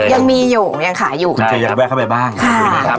ยังมีอยู่ยังขายอยู่